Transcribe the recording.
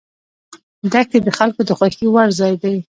دښتې د خلکو د خوښې وړ ځای دی.